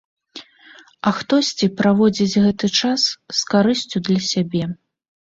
А хтосьці праводзіць гэты час з карысцю для сябе.